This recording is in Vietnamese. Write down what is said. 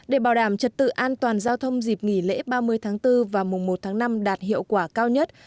để bảo đảm trật tự an toàn giao thông dịp nghỉ lễ ba mươi tháng bốn và mùng một tháng năm đạt hiệu quả cao nhất